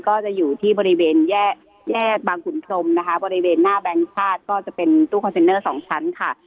ก็จะอยู่ที่บริเวณแยกบางขุนพรมนะคะบริเวณหน้าแบงค์ชาติก็จะเป็นตู้คอนเทนเนอร์สองชั้นค่ะ